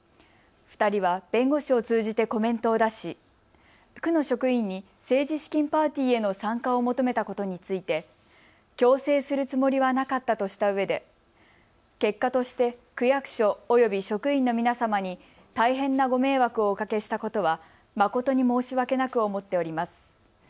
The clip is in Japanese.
２人は弁護士を通じてコメントを出し区の職員に政治資金パーティーへの参加を求めたことについて強制するつもりはなかったとしたうえで結果として区役所および職員の皆様に大変なご迷惑をおかけしたことは誠に申し訳なく思っております。